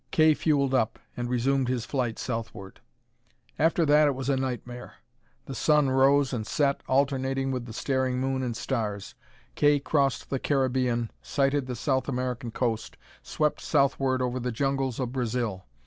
Kay fuelled up and resumed his flight southward. After that it was a nightmare. The sun rose and set, alternating with the staring moon and stars. Kay crossed the Caribbean, sighted the South American coast, swept southward over the jungles of Brazil.